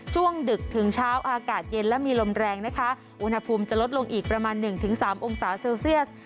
ดึกถึงเช้าอากาศเย็นและมีลมแรงนะคะอุณหภูมิจะลดลงอีกประมาณ๑๓องศาเซลเซียส